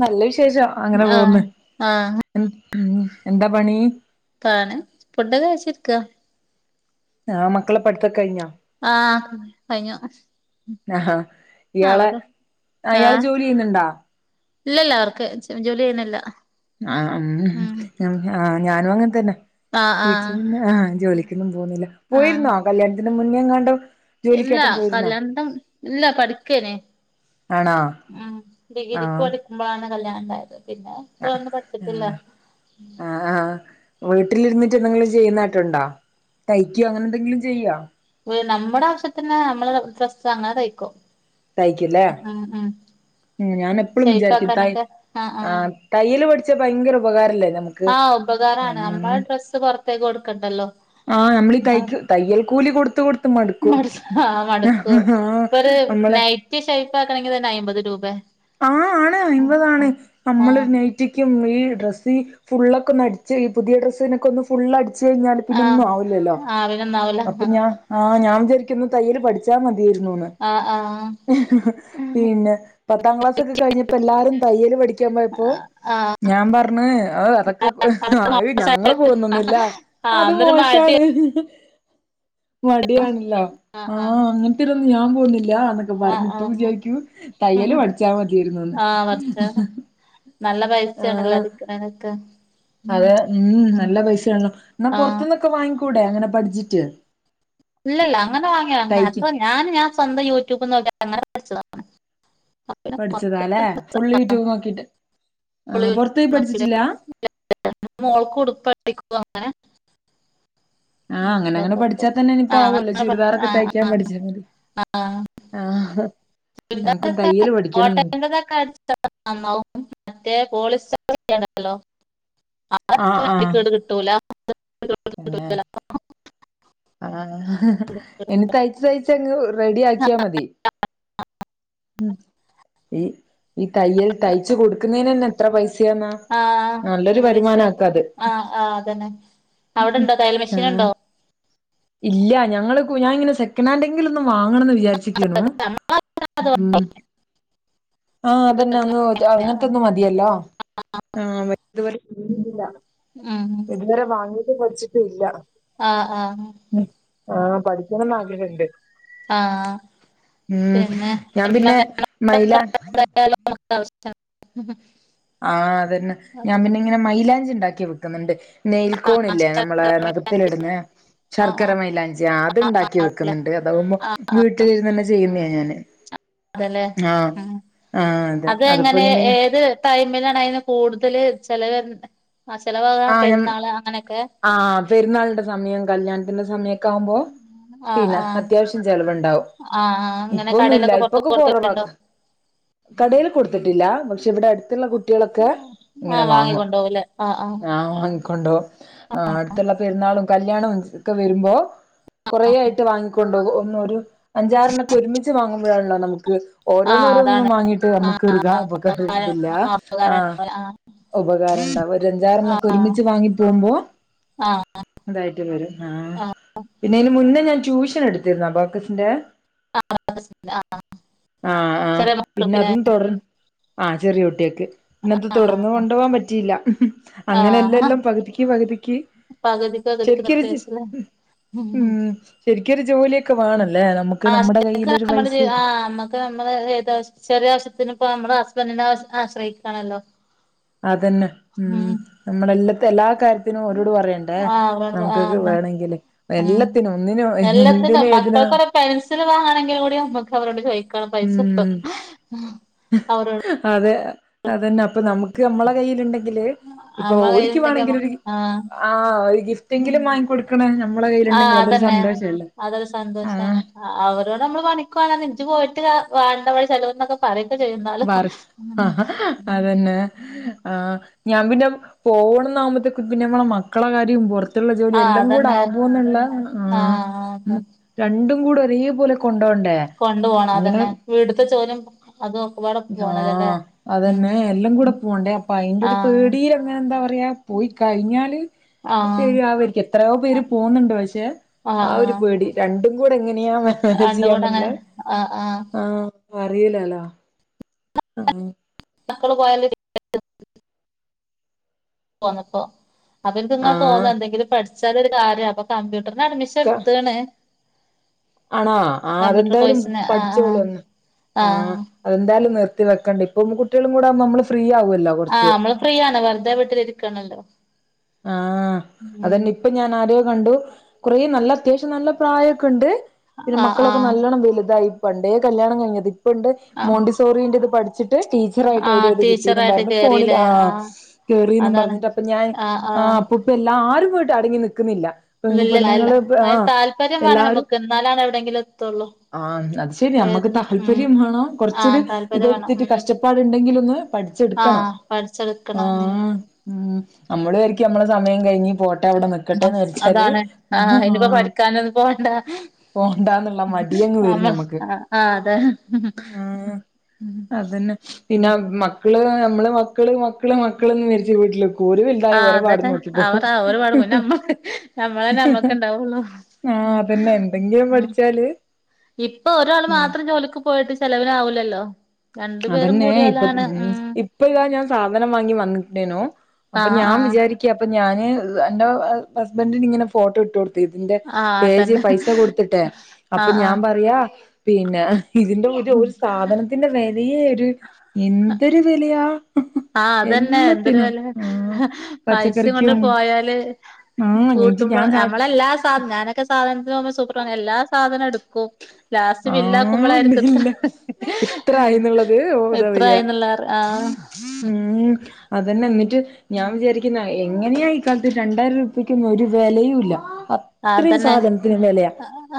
നല്ല വിശേഷം അങ്ങനെ പോക്ന്ന് ആഹ് ആഹ് ഉം എന്താപണി [unintelligible] പുഡ് കഴ്ച്ചിരിക്ക അഹ് മക്കളെ പഠിത്ത കഴിഞ്ഞാ ആഹ് കയ് ഞ്ഞു അഹ് ഇയാളെ ആ ഇയാള് ആഹ് ജോലി യ്യുന്നുണ്ട ഇല്ലല്ല അവർക്ക് [unintelligible] ജോലി ചെയ്യുന്നില്ല ആഹ് ഉം ആ് ഞാനുഅങ്ങനെത്തന്നെ ആഹ് വീട്ടിൽ ആഹ് നിന്ന് ആഹ് ജോലിക്കൊന്നും പോകുന്നില്ല ആഹ് പോയിരുന്നോ കല്യാണത്തിന്റെ മുന്നേ എങ്ങാണ്ടോ ഇല്ല ജോലിക്കേട്ടൻ പോയിരുന്നോ കല്യാണ്ടം ഇല്ല പഠിക്കേനെ ആണോ ഉം ഡിഗ് രി ക്ക് പഠിക്കുമ്പളാണ് കല്യാണ ഉണ്ടായത് പിന്നെ ഇപ്പ ആഹ് ഒന്നും പഠിച്ചിട്ടില്ല ആഹ് ആഹ് ആഹ് വീട്ടിലിരുന്നിട്ട് എന്തെങ്കിലും ചെയ്യുന്നായിട്ടുണ്ടോ തയ്ക്കോ അങ്ങനെ എന്തെങ്കിലും ചെയ്യാ നമ്മ്ടെ ആവശ്യത്തിന്ന് നമ്മള് ഫസ്റ്റ്അങ്ങനെ കഴിക്കും തയ്ക്കല്ലേ ഉം ഞാന്എപ്പളും വിചാരിക്കും തൈ ആഹ് തയ്യല് പഠിച്ച ഭയങ്കര ഉപകാരല്ലേ നമുക്ക് ആഹ് ഉപകാരമാണ് ഉം മ്മളെ ഡ്രസ്സ് പൊറത്തേക്ക്കൊടുക്കണ്ടല്ലോ ആഹ് നമ്മളീ തയ്ക്കും തയ്യൽ കൂലി കൊടുത്ത കൊടുത്ത് മടുക്കും ആഹ് ഇപ്പ ഒരു നമ്മള് നൈറ്റ് ഷൈഫ് ആക്കണെങ്കി തന്നെ അയ്മ്പത് രൂപെ അഹ് ആണ് അയ്മ്പത് ആണ് ആ നമ്മളരു നൈറ്റ് ചറ്റിക്കും ഈ ഡ്രസ്സ് ഫുള്ളൊക്ക ഒന്ന് അടിച്ച് ഈ പുതിയ ഡ്രസ്സിനൊക്കെ ഒന്ന് ഫുള്ള് അടി ച്ച കഴിഞ്ഞാല് ആ പിന്ന ഒന്നും ആവു ല്ലല്ലോ ആ പിന്നെന്നാവൂല അപ്പൊ ഞാ ആഹ് ഞാൻ വിചാരിക്കുന്നു തയ്യൽ പഠിച്ചാ മതിയരുന്നുന്ന് ആഹ് ആഹ് പിന്നെ പത്താം ക്ലാസ്സ് ഒക്കെ കഴിഞ്ഞപ്പോ എല്ലാരും തയ്യല് പഠിക്കാപോയപ്പോ ഞാ പറഞ്ഞ് അഹ് അതൊക്കെ ഞങ്ങള് പോകുന്നൊന്നുല്ല ആ അത് അന്നൊരു മടി മോശാണ് മടിയണല്ലോ ആ ആ അഹ് അങ്ങനത്ത്നന്നും ഞാപോന്നില്ലന്ന് ക്കെ ആ പറഞ്ഞു ആ ഇപ്പ വിചാരിക്കു തയ്യല് പഠിച്ചാ മതിയരുന്നുന്ന് ആ പടച്ചോനെ നല്ല പൈസയാണല്ലോ അടി ക്കണനക്ക് അതെ ഉം നല്ല പൈസ ണലൊന്ന ആ പുറത്തന്നൊക്കെ വാങ്ങിക്കൂടെ അങ്ങനെ പഠിച്ചിട്ട് ഇല്ലല്ല അങ്ങനവാങ്ങിയ അ തയ്ക്കും അപ്പ ഞാന് ഞാ സ്വന്തം യൂറ്റ്യുബ്നോക്കി അങ്ങനെ പഠിച്ചതാ പിന്നെ പഠിച്ചതാലെ പുറത്ത് ഫുള്ള് യുറ്റ്യുബ് നോക്കിട്ട് ആഹ് പുറത്ത് യി പഠിച്ചിട്ടില്ല [unintelligible] മോൾക്ക്ടുപ്പ് അട്പ്പിക്കു അങ്ങനെ ആഹ് അങ്ങനെ അങ്ങനെ പഠിച്ചാ തന്നെ ഇനിയിപ്പ ആവല്ലോ ചുരിദാറൊക്കെ തയ്ക്കാൻ പഠിച്ചാമതി ആഹ് [unintelligible] തയ്യല് [unintelligible] പഠിക്കണംന്നുണ്ട് നന്നാവും മറ്റേ പോളിസ്റ്ററ് [unintelligible] ഹലോ ആഹ് ആഹ് പിന്നെ [unintelligible] ആഹ് ഇനി തയ്ച്ച് തയ്ച്ച് അങ്ങ് റെഡി ആക്കിയാ മതി ഉം ഈ തയ്യൽ തയ്ച്ച കൊടുക്കുന്നതിന് ന്നെ എത്ര പൈസയാന്നാ ആഹ് നല്ലൊരു നല്ല പൈസെ വരുമാനാക്ക അത് അഹ് ആഹ് അതന്നെ അവിടെണ്ടോ തയ്യൽ ആഹ് മെഷീനുണ്ടോ ഇല്ല ഞങ്ങൾക്കു ഞാനിങ്ങനെ സെക്കനാന്റെങ്കിലും ഒന്ന് വാങ്ങണംന്ന് വിചാരിച്ചിക്കേന്നു ഉം ആഹ് അതന്നെ ഒന്ന് അങ്ങ- ഒറ്റൊന്ന് മതിയല്ലോ അഹ് [inaudible] ഉം ഇതുവരെ വാങ്ങിട്ട് കൊലച്ചിട്ടില്ല ആഹ് ആഹ് ഉം ആഹ് പഠിക്കണംന്ന് ആഗ്രഹണ്ട് ആഹ് ഉം പിന്നെ ഞാൻ പിന്നെ മൈലാ- [inaudible] ആഹ് അതന്നെ ഞാൻ അതന്നെ. പിന്നങ്ങെനെ മൈലാഞ്ചിണ്ടാക്കി വിക്കുന്നുണ്ട് ആ, നെയിൽക്കോണില്ലേ നമ്മളെ ശർക്കര വിലാസി. നഖത്തിലിടുന്നെ ആ ആ, ശർക്കര മൈലാഞ്ചി അത്ണ്ടാക്കി വിക്കുന്നുണ്ട് അതാവുമ്പോ ആ, വീട്ടിലിരുന്നന്നെ ചെയ്യുന്നാ ഞാന് അതെലെ ആഹ് ഉം ആഹ് അതെ അതിപ്പോ അതങ്ങനെ ഇങ്ങനെ ഏത് ടൈമിലാണ് അയിന് കൂടുതല് ചിലവരുന്നെ ആ ചിലവ് ആഹ് ഞാൻ പെരുന്നാള് അങ്ങനൊക്കെ ആഹ് പെരുന്നാളിന്റെ സമയം കല്യാണത്തിന്റെ സമയൊക്കാവുമ്പൊ ആഹ് പിന്നെ ആഹ് അത്യാവശ്യം ചെലവുണ്ടാവും ആഹ് ആഹ് അങ്ങനെ ഇപ്പൊന്നൂല്ല കടയിലൊക്കെ പൊറത്ത് ഇപ്പൊക്കെ കൊടുക്കലുണ്ടോ കുറവാക്ക- കടല് കൊടുത്തിട്ടില്ല പക്ഷെ ഇവിടെ അടുത്തുള്ള കുട്ടിളൊക്കെ ഇങ്ങനെ വാങ്ങും ആ ആ ആഹ് ആഹ് വാങ്ങിക്കോണ്ടു ആ അടുത്തുള്ള പെരുന്നാളും കല്യാണോം ഒക്കെ വരുമ്പോ ആഹ് കുറെയായിട്ട് വാങ്ങിക്കൊണ്ട ഒന്നു ഒരു അഞ്ചാറണ്ണൊക്കെ ഒരുമിച്ച് വാങ്ങുമ്പോഴാണല്ലോ നമുക്ക് ആഹ് അതാണ് ഓരോന്നോരോന്നും വാങ്ങിയിട്ട് ആഹ് നമുക്കില്ല നമുക്കൊരുതില്ല ആഹ് ഉപകാരണ്ടാവും ഒരഞ്ചറാണ്ണൊക്കെ ആഹ് ഒരുമിച്ച് വാങ്ങിപോകുമ്പോ ആഹ് അതായിട്ട് വരും ആഹ് പിന്നെ അയിന് മുന്നെ ഞാൻ ട്യൂഷനെടുത്തിരുന്നു അബാകസിന്റെ ആഹ് ആഹ് ചെറിയ പിന്നെ മക്കൾക്കില്ലേ അതും തുടർ - ആഹ് ചെറിയകുട്ടിയേൾക്ക് പിന്നത് ആഹ് തുടർന്ന് കൊണ്ടോവാൻ പറ്റിയില്ല അങ്ങനെയെല്ലല്ലാം പകുതിക്ക് പകുതിക്ക് പകുതി പകുതിക്ക് നിർത്തിവെച്ചുലെ ശരിക്കൊരു ഉം ശരിക്കൊരു ജോലിയൊക്കെ വേണല്ലേ നമുക്ക് നമ്മുടെ കയ്യിലൊരു വ- ഒരു ആ നമ്മുക്ക് നമ്മളെ ഏത് ചെറിയ ആവശ്യത്തിനിപ്പൊ നമ്മള് ഹസ്ബന്റിനെ ആശ്ര ആശ്രയിക്കാണല്ലോ അതന്നെ ഉം നമ്മളല്ലത്തെ എല്ലാ കാര്യത്തിനും ഒരോട് പറയണ്ടേ ആഹ് അവരോട് നമുക്കൊക്കെ ആഹ് വേണങ്കില് ഉം എല്ലാത്തിനും ഒന്നിനും എല്ലാത്തിനും എന്തിനും ഏതിനും മക്കൾക്കൊരു പെൻസിൽ വാങ്ങാണെങ്കിലുകൂടി നമുക്ക് അവരോട് ചോയിക്കണം പൈസണ്ടോ ഉം അവരോട് അതേ അതന്നെ അപ്പൊ നമുക്ക് നമ്മളെ കയ്യില്ണ്ടെങ്കില് ഇപ്പൊ നമ്മളെ കയ്യിലുണ്ടെങ്കി നമ്മ ഓര്ക്കുവാണെങ്കിലൊരു ആഹ് ആഹ് ഒരു ഗിഫ്റ്റെങ്കിലും വാങ്ങിക്കൊടുക്ക്ണ ഞമ്മള ആഹ് കയ്യിലുണ്ടെങ്കില് അതൊരു സന്തോഷല്ലേ ആഹ് ആ ഓരോടമ്മള് പണിക്കോവാന്ന് ഇഞ്ച് പോയിട്ട് വാണ്ട ഇവടെചെലവിന്നൊക്കെ പറയൊക്കെ ചെയ്യും ന്നാലും വർ ആഹ് അതന്നെ ആഹ് ഞാൻ പിന്നെ പോണംന്നാവുമ്പത്തേക്ക് പിന്നെ നമ്മളെ മക്കളെ കാര്യം പുറ ത്തുള്ള ജോലി ആഹ് എല്ലാംകൂടെ അതന്നെ ആവോന്നുള്ള ആഹ് രണ്ടും കൂടെ ഒരേ പോലെ കൊണ്ടോണ്ടെ കൊണ്ടു പോണം അതന്നെ വീട്ടുത്തെ ജോലിം ആഹ് ഉം അതന്നെ എല്ലാം കൂടെ പോണ്ടേ അപ്പൊഅയിന്റെ ഒരു ആഹ് പേടി എന്താ പറയാ പോയി കഴിഞ്ഞാല് ആഹ് ശരിയാവേര്ക്കും എത്രയോ പേര് പോവുന്നുണ്ട് പക്ഷെ ആഹ് ആ ഒരു ആഹ് പേടി രണ്ടും കൂടെ എങ്ങനെയാ രണ്ടും കൂടെ അങ്ങനെ മാനേജിയ്യാപറ്റണെ ആഹ് ആഹ് ആ അറിലല്ലോ ആഹ് ന്നക്കൾ പോയാല് തോന്നപ്പോ അപ്പൊ എനിക്ക് ഇങ്ങ തോന്ന ആഹ് എന്തെങ്കിലും പഠിച്ചാലൊരു കാര്യം അപ്പൊ കമ്പ്യൂട്ടറിന് അഡ്മിഷൻ എടുത്ത്ണ് ആണാ ആ കമ്പ്യൂട്ടർ അതെന്തായാലും കോഴ്സിന് ആഹ് പഠിച്ചോളൂ ആഹ് ഒന്ന് ആഹ് അതെന്തായാലും നിർത്തി വെക്കണ്ട പെൺ കുട്ടികളും കൂടാവുമ്പോ നമ്മൾ ഫ്രീ ആവുല്ല ആഹ് അമ്മള് ഫ്രീ ആണ് വെറുതെ വീട്ടിലിരിക്കാണല്ലോ ആഹ് അതന്നെ ഇ ഇപ്പൊ ഞാൻ ആരെയോ കണ്ടു കുറേ നല്ല അത്യാവശ്യം നല്ല പ്രായൊക്കെണ്ട് പിന്നെ ആഹ് മക്കളൊക്കെ ആഹ് നല്ലോണ്ണം വലുതായി പണ്ടേ കല്യാണം കഴിഞ്ഞത് ഇപ്പണ്ട് ആഹ് മോണ്ടി സോറീന്റെത് പഠിച്ചിട്ട് ടീ ചിറായിട്ട് ആഹ് എവിടെയത് കിട്ടിന്നും ടീച്ചറായിട്ട് പറഞ്ഞു ഫോണിൽ കേറില്ലേ ആ ആഹ് കേറിന്നും അതാണ് പറഞ്ഞിട്ട് അപ്പൊ ഞാൻ ആഹ് ആ ആഹ് അപ്പൊ ഇപ്പൊ ആരും പോ അടങ്ങിനിക്കുന്നില്ല ഓ ഇല്ല അല്ല അതിന് താല്പര്യം വേണം എല്ലാരും നമുക്ക് എന്നാലാണ് എവിടെയെങ്കിലും എത്തുള്ളൂ ആഹ് അത് ശരിയാ നമ്മുക്ക് വേദന ഉം താല്പര്യം വേണം കൊറച്ചൊരു ആഹ് താല്പര്യം വേണം ഇതെടുത്തിട്ട് ഉം കഷ്ടപ്പാടുണ്ടെങ്കിലൊന്ന് പഠിച്ചെടുക്കണം ആഹ് ആ പഠിച്ചെടുക്കണം ഉം നമ്മള് വിചാരിക്കും നമ്മളെ സമയം കഴിഞ്ഞ പോട്ടെ ട്ട അവിടെ നിക്കട്ടെന്ന് ആഹ് വിചാരിച്ചാല് അതാണ് അഹ് ആഹ് ഇനിപ്പോ പഠിക്കാനൊന്നും പോവണ്ട പോണ്ടന്നുള്ള മടിയങ്ങ് വരും നമ്മൾ ഞമ്മക്ക് ആഹ് ആഹ് അതെ അഹ് അതന്നെ പിന്നെ മ മക്കള് നമ്മള് മക്കള് മക്കള് മക്കളൊന്നും കരുതി വീട്ടില്ക്കോ ഓര് വലുതായാ ആഹ് ഓരേ അതന്നെ അവർ അവരെ പാട് പോവും നമ്മളന്നെ നമ്മക്ക് ഇണ്ടാവുള്ളു ആഹ് ഉം അതന്നെ എന്തെങ്കിലും ഉം പഠിച്ചാല് ഇപ്പൊ ഒരാള് ഉം മാത്രം ജോലിക്ക് പോയിട്ട് ചെലവിനാവൂലല്ലോ രണ്ടു പേരും കൂടിയാലാണ് ഉം ഇപ്പൊ ഇതാ ഞാൻ സാധനം വാങ്ങി വന്നിട്ടേനോ അപ്പൊ ആഹ് ഞാൻ ആഹ് വിചാരിക്ക ഓക്കെ അപ്പം ഞാൻ എൻ്റെ ഹസ്ബന്റിനിങ്ങനെ ഫോട്ടോ ഇട്ട് കൊടു ഇതിന്റെ ആഹ് പേജെ അതന്നെ പൈസ കൊടുത്തിട്ടെ അപ്പൊ ആഹ് ഞാൻ ആഹ് പറയാ പിന്നെ ഇതിന്റെ ഇത് ഒരു സാധനത്തിന്റെ വിലയെ ഒരു എന്തൊരു വിലയാ ആഹ് അതന്നെ എന്തൊരു എല്ലാത്തിനും വെല ആ പൈസയും പച്ചക്കറിക്കും കൊണ്ടങ്ങട് പോയാല് ആ എന്നിട്ട് കൂട്ടുമ്പോൾ ഞാൻ സാ നമ്മളെല്ലാ ഞാനൊക്കെ സാധനത്തിന് പോകുമ്പോ സൂപ്പർ എല്ലാ സാധനം എടുക്കും ലാസ്റ്റ് ആ ബില്ലാക്കുമ്പോളായിരിക്കും ഇത്ര ഇല്ല ഇത്ര ആയിന്നുള്ളത് ഓ ഇതാ എത്രായി വരിക എന്നുള്ളറിയാ ആ ഉം അതന്നെ എന്നിട്ട് ഞാൻ വിചാരിക്കുന്നെ എങ്ങനെയാ ഇക്കാലത്ത് രണ്ടായിറുപ്യക്കൊന്നും ഒരു വിലയും ഇല്ല ഇത്രയും അതന്നെ സാധനത്തിന് വെലയാ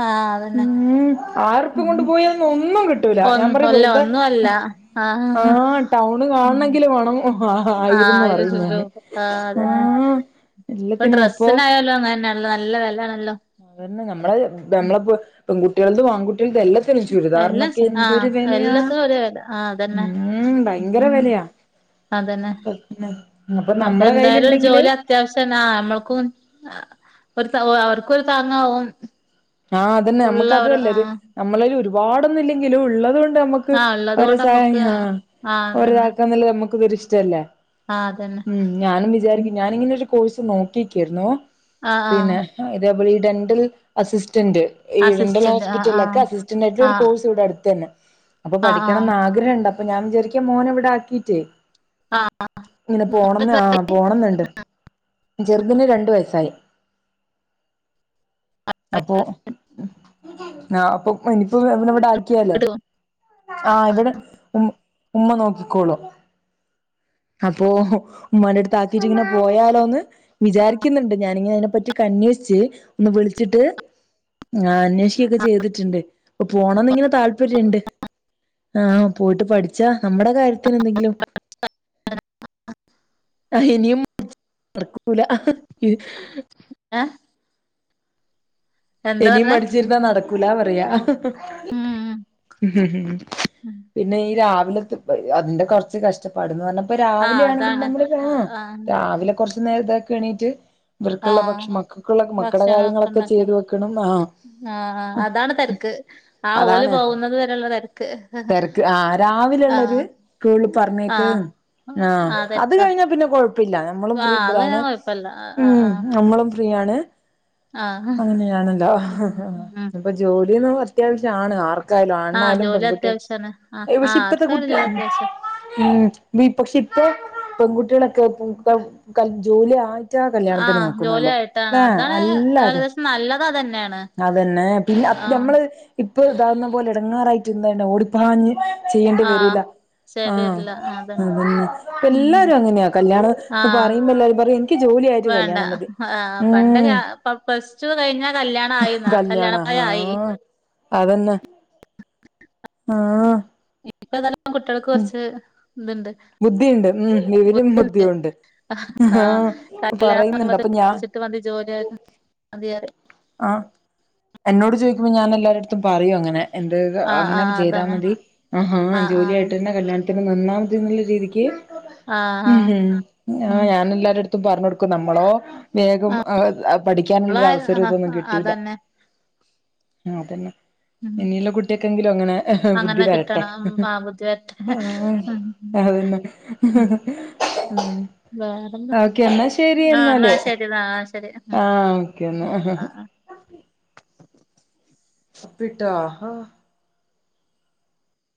ആഹ് അതന്നെ ഉം ആയിരോർപ്യകൊണ്ട് പോയാ ഒന്നും കി ട്ടൂല ഒ ഞാൻ പറയും അല്ല വെറുതെ ഒന്നും അല്ല ആ ആഹ് ടൗണ് കാണണെങ്കിലും വേണം ആ ആയിരന്ന് ആഹ് പറയും ഞാന് ആഹ് ആ അതന്നെ എല്ലാത്തിനും അപ്പൊ എല്ലും അയന്നെയന്നാലോ നല്ല വിലയാണല്ലോ അതെന്നെ നമ്മളെ നമ്മളപ്പോ പെൺകുട്ടികളും ആൺകുട്ടികളതും എല്ലാം ഉം എല്ലാം ചുരിദാറിനൊക്കെ എന്തൊരു ആഹ് വെലയാ എല്ലാത്തിനും ഒരേ വെല ആഹ് അതന്നെ ഉം ഭയങ്കര വെലയാ അതന്നെ അപ്പൊ നമ്മളെ കയിലുണ്ടെങ്കില് അത്യാവശ്യം ന്നാ അമ്മൾക്കും അവർക്കും ഒരു താങ്ങാവും ആഹ് അതന്നെ ഫുള്ള് നമ്മുക്ക് അവർ അതുല്ല ആ ഒരു നമ്മളെല് ഒരുപാടൊന്നും ഇല്ലങ്കിലും ഉള്ളതുകൊണ്ട് നമ്മക്ക് ആ ഉള്ളത് ഒര കൊണ്ട് സ നമ്മുക്ക് ആ അതന്നെ ഒരതാക്കന്നല്ല നമ്മുക്ക് ഇതൊരിഷ്ട്ടല്ലേ ആ അതന്നെ ഉം ഞാനും വിചാരിക്കും ഞാനിങ്ങനെ ഒരു കോഴ്സ് നോക്കിക്കിരുന്നു ആ ആ പിന്നെ ഇതേപോലെ ഈ ഡെന്റൽ അസിസ്റ്റന്റ് ഈ ഡെന്റൽ അസിസ്റ്റന്റ് ആ ആ ഹോസ്പിറ്റലിലൊക്കെ അസിസ്റ്റന്റ് ആയിട്ടുള്ള ആ ഒരു കോഴ്സ് ഇവിടെ അടുത്തന്നെ അപ്പൊ ആ പഠിക്കണന്ന് ആ ആഗ്രഹണ്ട്‌ അപ്പോ ഞാൻ വിചാരിക്ക മോനെവിടാക്കിയിട്ട് ആഹ് ഇങ്ങനെ പോണന്ന് ആ പോണന്നുണ്ട് ചെറുതിന് രണ്ടു വയസ്സായി അപ്പൊ ആ അപ്പൊ ഇനിപ്പോനിവടാക്കി ക്കിയാല് ആ ഇവിടെ ഉം ഉമ്മ നോക്കിക്കോളും. അപ്പൊ ഉമ്മന്റെടുത്ത് ആക്കീട്ട് ഇങ്ങനെ പോയാലോന്ന് വിചാരിക്കുന്നുണ്ട് ഞാനിങ്ങനെ അതിനെപ്പറ്റികന്യോഷ്ച്ച് ഒന്ന് വിളിച്ചിട്ട് ആഹ് അന്വേഷിക്കൊക്കെ ചെയ്തിട്ടുണ്ട്. ഇപ്പൊ പോണംന്ന്ങ്ങനെ താല്പര്യംണ്ട് ആ പോയിട്ട് പഠിച്ചാ ന്നമ്മടെ കാര്യ ത്തിന് എന്തെങ്കിലും ആ ഹിനിയുംമറക്കൂല. എഹ് ഇനിയും പറഞ്ഞേ മടിച്ചിരുന്നാ നടക്കൂലാന്ന് അറിയാ. ഉം ഉം പിന്നെ ഈ രാവിലെ ത്പ്പെ അതിന്റെ കൊർച്ച് കഷ് ഒച്ചപ്പാട് പറഞ്ഞപ്പോ രാവിലെ ആണെങ്കിൽ നമ്മള് ആ രാവിലെ കൊർച്ച് ന്നേര്തൊക്കെ എണീറ്റ് ആ ഇവർക്കുള്ള ഭക്ഷ മക്കൾക്കുള്ള മക്കടെ കാര്യങ്ങളൊക്കെ ചെയ്തു വെക്കണം അഹാ ആഹ്, അഹ് അതാണ് തെര്ക്ക് ആ ഓല് പോകുന്നത് വെരെയുള്ള തെരെക്ക്. തെര്ക്ക് ആഹ് രാവിലൊള്ളോര് സ്കൂളിൽ പറഞ്ഞേക്ക് ആഹ് ആഹ് അത് കഴിഞ്ഞാ പിന്നെകൊഴപ്പില്ല. ന്നമ്മളും ആഹ് അത് പിന്നെ ഫ്രീഇപ്പതാണ് കൊഴപ്പല്ല ഉം ന്നമ്മളും ഫ്രീയാണ്. ആഹാ ആണല്ലോ ഇപ്പൊ ജോലിന്നു അത്യാവിശ്യണ് ആർ ക്കായാലും ആഹ് ആണ്ണായാലും ജോലി പെൺകുട്ടി അത്യാവശ്യാണ് ആഹ് പക്ഷെ ആഹ് ഇപ്പത്തെ ആർക്കായാലും കുട്ടി ജോലി അത്യാവശ്യ ഉം ബി പക്ഷെ ഇപ്പോ പെൺകുട്ടികളൊക്കെ ക, കൽ ജോലിആയി റ്റാകല്യാണത്തിന് ആഹ് നോക്കുന്നുള്ളൂ ലേ അല്ലാരും. ന്നല്ലെത് അതെന്നെണ്. അതെന്നെ പിന്നെ ഞമ്മള് ഇപ്പൊ ഇതാകുന്നപോലെ ഇടങ്ങാറായിട്ട് ന്തന്നെ ഓടിപ്പാഞ്ഞ് ചെയ്യെണ്ടി ആഹ് വെരൂല. ശരി ആഹ് വരില്ല അതന്നെ അതെന്നെ ഇപ്പ ഉം ഉം എല്ലാരും അങ്ങനെയാ ആഹ് കല്യാണംപറയുമ്പോ എല്ലാരുംപറയും ക്ക് ജോലിആയിട്ട് കല്ല്യാണംമതി ഉം ഇപ്പപ്ലസ് റ്റു കഴ്ഞ്ഞാ കല്ല്യാണ ആയിന്നാ കല്യാണപ്രയാആയി. അതെന്നെ ആഹ് ഇപ്പൊഏതായാലും കുട്ടിയാൾക്ക് കൊർച്ച് ഇതുണ്ട് ബുദ്ധിയുണ്ട് ഉം വിവരും ബുദ്ധിണ്ട്. ബുദ്ധിയുണ്ട് ആ ആഹ് കല്യാണം പറയുന്നുണ്ട് അപ്പൊ ഞാൻ താമസിച്ചിട്ട് വന്ന് ജോലിയായി മതിയ ആഹ് എന്നോട് ചോദിക്കുമ്പോൾ ഞാൻ എല്ലാരെട്ത്തും പറയുംഅങ്ങനെ. എന്ത്‌ ആഹ് അങ്ങനെ ആഹ് അതാണ് ചെയ്താൽമതി ആഹാ ആഹ് ആഹ് ജോലിയായിട്ട്ന്നെ കല്ല്യാണ ത്തിന് ന്നിന്നാമതി രീതിക്ക് ആഹ് ആഹ് മ്ഹും ആ ഉം ഞാന് എല്ലരെട്ത്തും ത്തു പറഞ് കൊട്ക്കും ന്നമ്മളോ വേഗം ഏ അവള പഠിക്കാനുള്ള അവസ രൊഇതൊന്നും ആഹ് കിട്ടീല അതന്നെ ആതെന്നെ ഉം ഇനിയിള്ള കുട്ടിയക്കെങ്കിലും അങ്ങനെ അങ്ങനെ ബുദ്ധിവെരട്ടെ കിട്ടണം ആ ബുദ്ധി വരട്ടെ ഉം ആഹ് അതെന്നെ ഉം ആഹ് വേറെന്താ ഓക്കെ ഇന്നാ ആഹ് എന്നാ ശെരിഎന്നാല്. ശരി എന്നാ ശരി ഉം ആഹ് ഓക്കെന്നാ. ഉം ആഹ് ആഹ് ഉപ്പിട്ടോ ഹോ